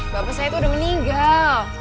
bapak saya itu udah meninggal